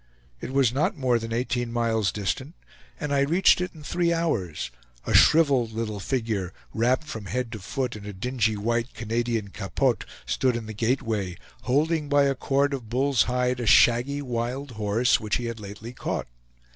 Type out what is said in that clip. It was not more than eighteen miles distant, and I reached it in three hours; a shriveled little figure, wrapped from head to foot in a dingy white Canadian capote, stood in the gateway, holding by a cord of bull's hide a shaggy wild horse, which he had lately caught.